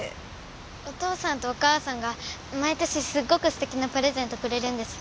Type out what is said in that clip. お父さんとお母さんが毎年すっごく素敵なプレゼントくれるんです。